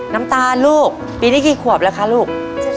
น้ำตาลลูกปีนี้กี่ขวบแล้วคะลูก